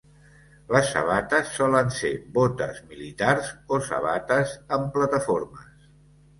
Les sabates solen ser botes militars o sabates amb plataformes.